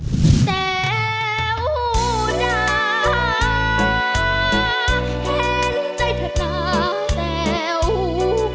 เต๋าจ่า